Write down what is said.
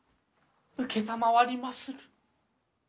承りまする。